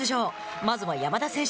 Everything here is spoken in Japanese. まずは山田選手。